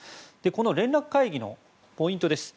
この連絡会議のポイントです。